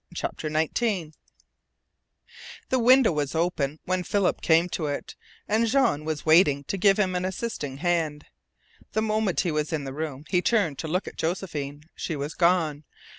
CHAPTER NINETEEN The window was open when Philip came to it, and Jean was waiting to give him an assisting hand. The moment he was in the room he turned to look at Josephine. She was gone.